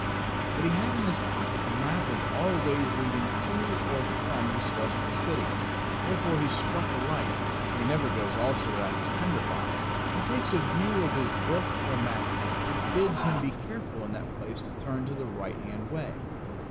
But he had in his pocket a map of all ways leading to or from the Celestial City, wherefore he struck a light (for he never goes also without his tinder box), and takes a view of his book or map, which bids him be careful in that place to turn to the right hand way.